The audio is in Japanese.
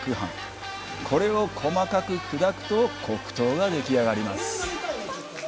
これを細かく砕くと黒糖ができ上がります。